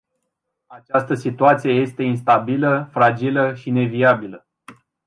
Această situație este instabilă, fragilă și neviabilă.